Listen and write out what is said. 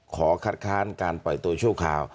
ขอคัดค้านการปล่อยตัวชั่วคราว